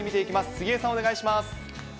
杉江さん、お願いします。